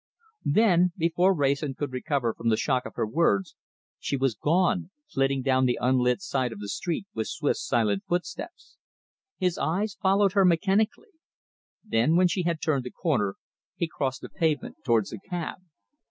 Then, before Wrayson could recover from the shock of her words, she was gone, flitting down the unlit side of the street with swift silent footsteps. His eyes followed her mechanically. Then, when she had turned the corner, he crossed the pavement towards the cab.